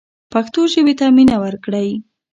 پښتو ژبې ته مینه ورکړئ.